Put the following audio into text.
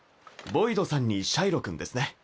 ボイドさんにシャイロ君ですね。